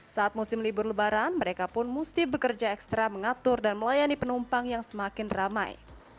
saat musim libur lebaran mereka pun mesti bekerja ekstra mengatur dan melayani penumpang yang semakin ramai